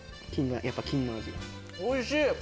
おいしい！